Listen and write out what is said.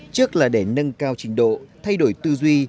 trước là để nâng cao trình độ thay đổi tư duy